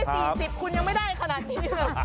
คุณยังไม่๔๐คุณยังไม่ได้ขนาดนี้